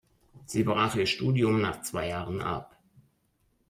Sie brach ihr Studium nach zwei Jahren ab.